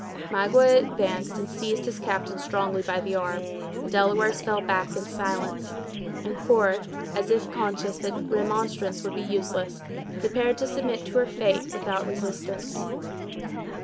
Magua advanced, and seized his captive strongly by the arm; the Delawares fell back, in silence; and Cora, as if conscious that remonstrance would be useless, prepared to submit to her fate without resistance.